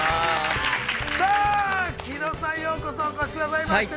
さあ、木戸さん、ようこそお越しくださいました。